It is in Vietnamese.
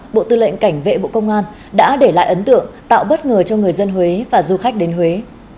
bộ tư lệnh cảnh vệ bộ công an đã để lại ấn tượng tạo bất ngờ cho người dân huế và du khách đến huế